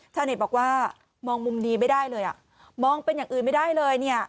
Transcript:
ชาวเน็ตบอกว่ามองมุมดีไม่ได้เลยอ่ะมองเป็นอย่างอื่นไม่ได้เลยเนี่ย